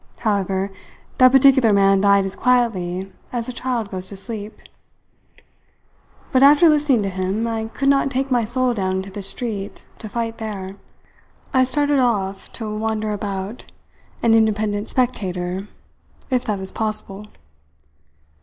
However, that particular man died as quietly as a child goes to sleep. But, after listening to him, I could not take my soul down into the street to fight there. I started off to wander about, an independent spectator if that is possible."